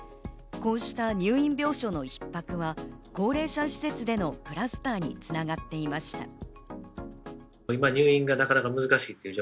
こうした入院病床の逼迫は高齢者施設でのクラスターに繋がっていました。